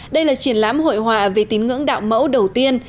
đây là triển lãm hội họa về tín ngưỡng đạo mẫu đầu tiên